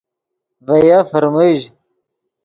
ڤے یف فرمژ